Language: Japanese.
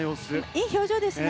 いい表情ですね。